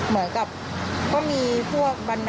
มากันกี่คนแล้วครับ